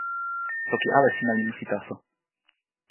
toki ale sina li musi taso.